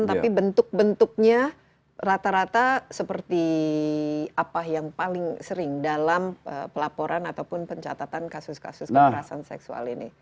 tapi bentuk bentuknya rata rata seperti apa yang paling sering dalam pelaporan ataupun pencatatan kasus kasus kekerasan seksual ini